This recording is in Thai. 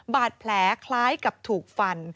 บาดแผลคล้ายกับถูกฟัน